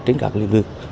trên các lĩnh vực